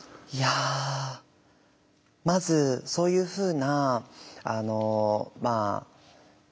いやまずそういうふうなあのまあ